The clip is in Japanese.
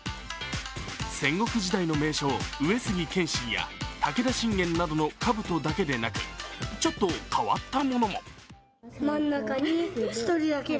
戦国時代の名将、上杉謙信や武田信玄などのかぶとだけでなくちょっと変わったものも。